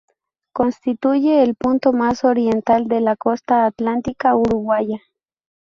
Constituye el punto más oriental de la costa atlántica uruguaya.